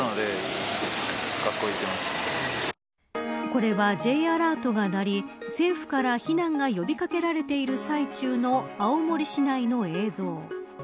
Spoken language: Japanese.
これは、Ｊアラートが鳴り政府から避難が呼び掛けられている際中の青森市内の映像。